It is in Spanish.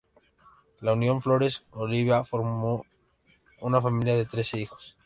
La unión Flores-Oliva, formó una familia de trece hijos.